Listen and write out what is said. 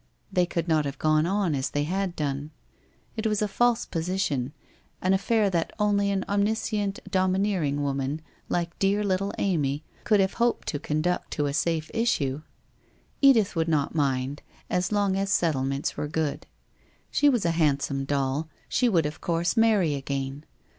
They could not have gone on as they had done. It was a false position, an affair that only an omniscient, domineering woman like dear little Amy could have hoped to conduct to a safe issue. Edith would not mind, so long as settle ments were good. ... She was a handsome doll ; she would, of course, marry again.